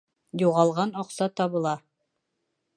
Юғалған аҡса табыла